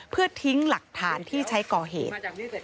เพื่อทิ้งหลักฐานที่ใช้ก่อเหตุ